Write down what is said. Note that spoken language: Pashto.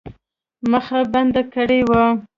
مخه بنده کړې وه.